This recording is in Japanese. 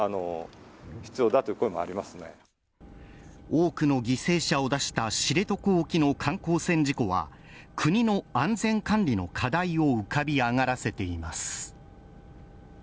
多くの犠牲者を出した知床沖の観光船事故は、国の安全管理の課題を浮かび上がらせています。